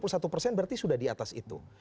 jadi sudah di atas itu